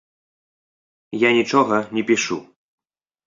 Я нічога не пішу.